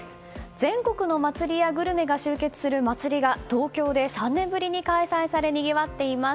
全国の祭りやグルメが集結する祭りが東京で３年ぶりに開催されにぎわっています。